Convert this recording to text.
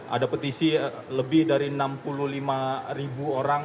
ada petisi lebih dari enam puluh lima ribu orang